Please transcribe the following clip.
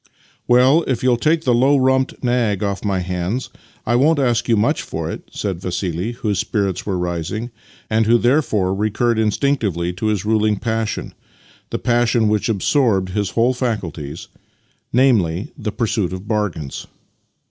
" Well, if you'll take the low rumped nag off my hands I won't ask you much for it," said Vassili, whose spirits were rising, and who therefore recurred instinctively to his ruling passion — the passion which absorbed liis whole faculties — namely, the pursuit of bargains.